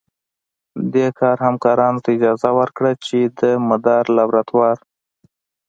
دې کار همکارانو ته اجازه ورکړه چې د مدار لابراتوار